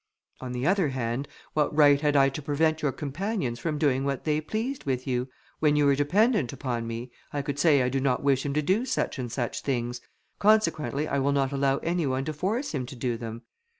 On the other hand, what right had I to prevent your companions from doing what they pleased with you. When you were dependent upon me, I could say, I do not wish him to do such and such things, consequently I will not allow any one to force him to do them.